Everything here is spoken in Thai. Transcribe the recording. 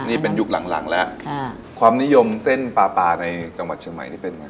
นี่เป็นยุคหลังหลังแล้วค่ะความนิยมเส้นปลาปลาในจังหวัดเชียงใหม่นี่เป็นไง